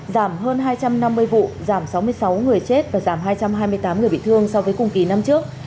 giảm hơn hai trăm năm mươi vụ giảm sáu mươi sáu người chết và giảm hai trăm hai mươi tám người bị thương so với cùng kỳ năm trước